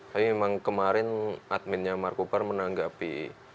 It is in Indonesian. tapi memang kemarin adminnya markobar menanggapi